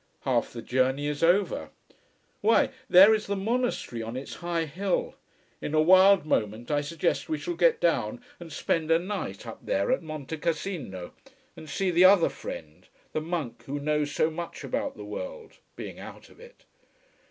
Half the journey is over. Why, there is the monastery on its high hill! In a wild moment I suggest we shall get down and spend a night up there at Montecassino, and see the other friend, the monk who knows so much about the world, being out of it.